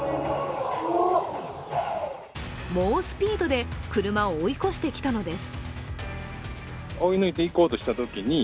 猛スピードで車を追い越してきたのです。